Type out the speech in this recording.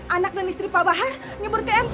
anak dan istri pak pak har nyebur tmp